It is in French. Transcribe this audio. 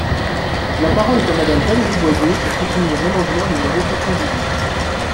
La parole est à Madame Valérie Boyer, pour soutenir l’amendement numéro quatre-vingt-dix-huit.